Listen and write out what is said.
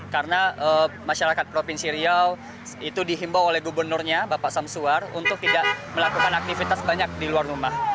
karena masyarakat provinsi riau itu dihimbau oleh gubernurnya bapak samsuar untuk tidak melakukan aktivitas banyak di luar rumah